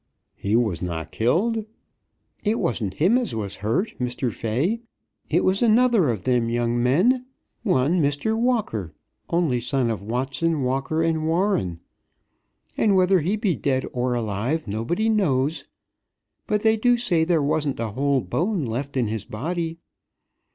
"He was not killed?" "It wasn't him as was hurt, Mr. Fay. It was another of them young men one Mr. Walker; only son of Watson, Walker, and Warren. And whether he be dead or alive nobody knows; but they do say there wasn't a whole bone left in his body.